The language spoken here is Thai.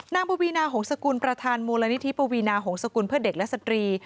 ปวีนาหงษกุลประธานมูลนิธิปวีนาหงษกุลเพื่อเด็กและสตรี